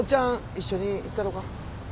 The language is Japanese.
一緒に行ったろか？